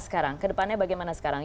kedepannya bagaimana sekarang